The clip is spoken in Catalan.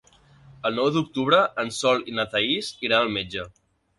El nou d'octubre en Sol i na Thaís iran al metge.